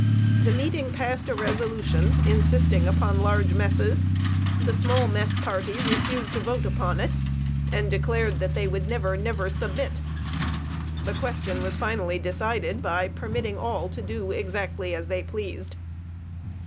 The meeting passed a resolution, insisting upon large messes; the small mess party refused to vote upon it, and declared that they would never, never submit! The question was finally decided by permitting all to do exactly as they pleased.